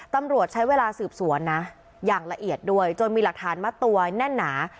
ตำรวจใช้เวลาสืบสวนนะอย่างละเอียดด้วยจนมีหลักฐานมัดตัวแน่นหนา